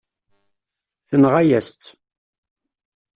Tenɣa-yas-tt.